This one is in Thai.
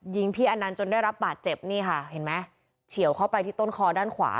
ยิงพี่อนันต์จนได้รับบาดเจ็บนี่ค่ะเห็นไหมเฉียวเข้าไปที่ต้นคอด้านขวา